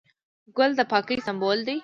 ګل د پاکۍ سمبول دی.